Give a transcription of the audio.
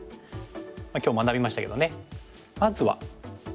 今日学びましたけどねまずは。